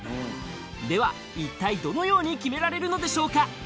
一体どのように決められるのでしょうか？